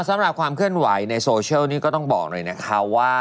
สำหรับความเคลื่อนไหวในโซเชียลก็ต้องบอกท